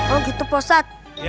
oh gitu posat